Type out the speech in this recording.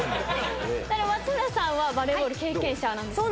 松村さんはバレーボール経験者なんですよね？